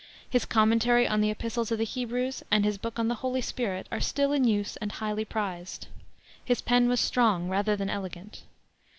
His Commentary on the Epistle to the Hebrews and his book on The Holy Spirit are still in use and highly prized. His pen was strong rather than elegant.